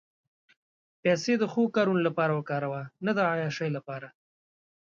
پېسې د ښو کارونو لپاره وکاروه، نه د عیاشۍ لپاره.